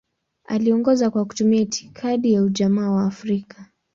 Aliongoza kwa kutumia itikadi ya Ujamaa wa Afrika.